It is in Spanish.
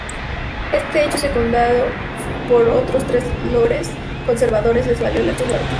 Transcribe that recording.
Este hecho, secundado por otros tres lores conservadores, les valió la expulsión del Partido.